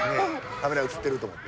カメラ映ってると思った。